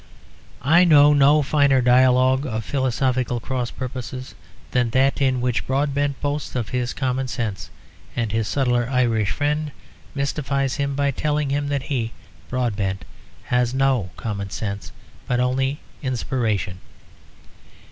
I know no finer dialogue of philosophical cross purposes than that in which Broadbent boasts of his commonsense, and his subtler Irish friend mystifies him by telling him that he, Broadbent, has no common sense, but only inspiration.